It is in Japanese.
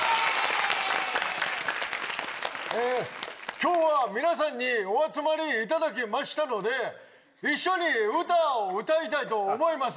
今日は皆さんにお集まりいただきましたので一緒に歌を歌いたいと思います！